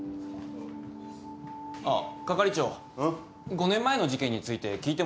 ５年前の事件について聞いてもいいですか？